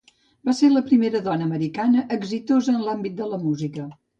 Va ser la primera dona americana exitosa en l’àmbit de la música.